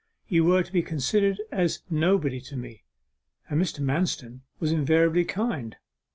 You were to be considered as nobody to me, and Mr. Manston was invariably kind.